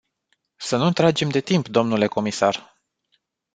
Să nu tragem de timp, dle comisar.